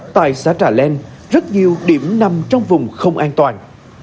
tại xã trà len rất nhiều điểm nằm trong vùng không an toàn